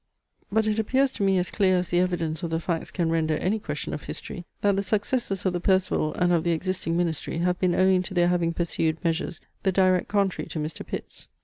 But it appears to me as clear as the evidence of the facts can render any question of history, that the successes of the Perceval and of the existing ministry have been owing to their having pursued measures the direct contrary to Mr. Pitt's.